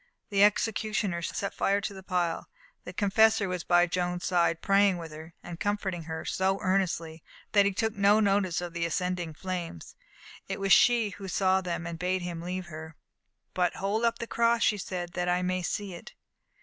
The executioner set fire to the pile. The confessor was by Joan's side, praying with her, comforting her so earnestly, that he took no notice of the ascending flames. It was she who saw them and bade him leave her. "But hold up the cross," she said, "that I may see it."